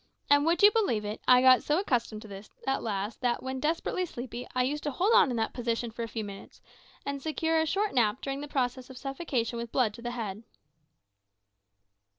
And would you believe it, I got so accustomed to this at last that, when desperately sleepy, I used to hold on in that position for a few minutes, and secure a short nap during the process of suffocation with blood to the head."